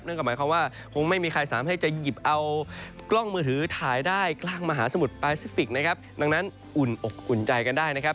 หมายความว่าคงไม่มีใครสามารถให้จะหยิบเอากล้องมือถือถ่ายได้กลางมหาสมุทรแปซิฟิกนะครับดังนั้นอุ่นอกอุ่นใจกันได้นะครับ